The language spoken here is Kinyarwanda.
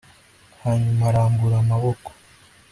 Hanyuma arambura amaboko